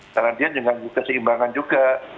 karena dia juga menggugah seimbangan juga